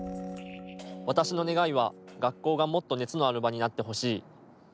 私の願いは学校がもっと熱のある場になってほしい。